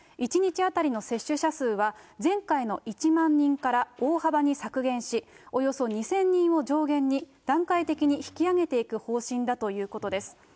１日当たりの接種者数は、前回の１万人から大幅に削減し、およそ２０００人を上限に、段階的に引き上げていく方針だということです。